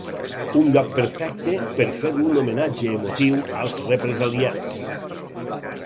Un lloc perfecte per fer un homenatge emotiu als represaliats.